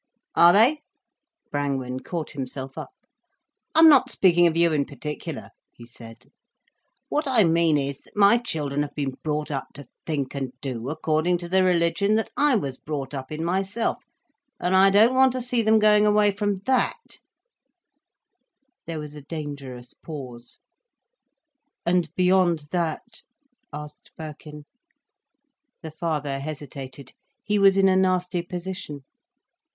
"Are they?" Brangwen caught himself up. "I'm not speaking of you in particular," he said. "What I mean is that my children have been brought up to think and do according to the religion I was brought up in myself, and I don't want to see them going away from that." There was a dangerous pause. "And beyond that—?" asked Birkin. The father hesitated, he was in a nasty position.